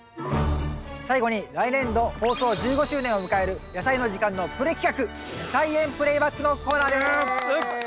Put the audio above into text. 最後に来年度放送１５周年を迎える「やさいの時間」のプレ企画「菜園プレイバック」のコーナーです。